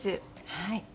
はい。